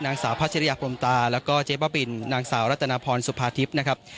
นางสาวพัชริยาพรมตาแล้วก็เจ๊บ้าบินนางสาวรัตนพรสุภาทิพย์นะครับ